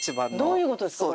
どういう事ですか？